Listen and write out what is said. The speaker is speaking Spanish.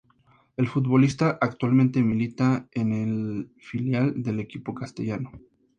El futbolista actualmente milita en el filial del equipo castellano.